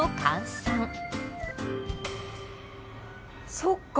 そっか。